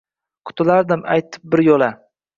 Qutulardim aytib bir yo’la